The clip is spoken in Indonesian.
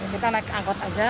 kita naik angkot aja